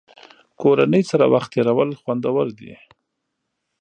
کورنۍ سره وخت تېرول خوندور دي.